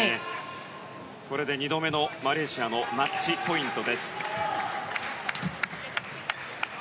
これで２度目のマレーシアのマッチポイント。